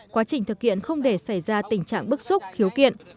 quá trình thực hiện không để xảy ra tình trạng bức xúc khiếu kiện